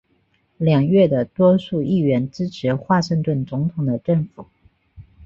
两院的多数议员支持华盛顿总统的政府。